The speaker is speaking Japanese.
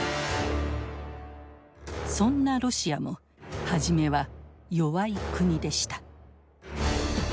そんなロシアも初めは弱い国でした。